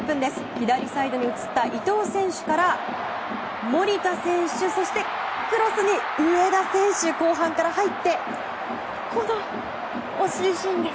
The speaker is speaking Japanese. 左サイドに移った伊東選手から守田選手そしてクロスに上田選手後半から入ってこの惜しいシーンです。